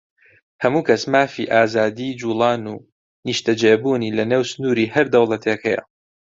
هەموو کەس مافی ئازادیی جووڵان و نیشتەجێبوونی لەنێو سنووری هەر دەوڵەتێک هەیە.